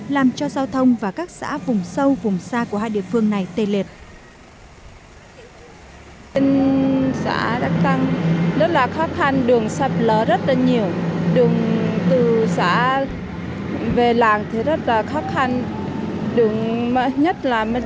làm cho giao thông và các xã vùng sâu vùng xa của hai địa phương này tê liệt